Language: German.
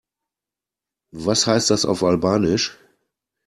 Was heißt das auf Albanisch?